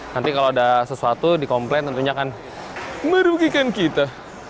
nanti kalau ada sesuatu dikomplain tentunya akan merugikan kita